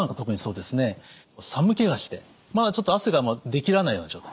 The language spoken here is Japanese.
寒気がしてまだちょっと汗が出きらないような状態。